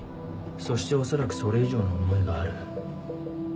そしておそらくそれ以上の思いがある。